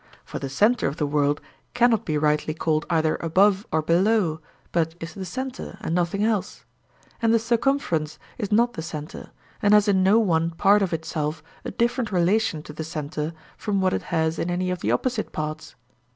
For the centre of the world cannot be rightly called either above or below, but is the centre and nothing else; and the circumference is not the centre, and has in no one part of itself a different relation to the centre from what it has in any of the opposite parts.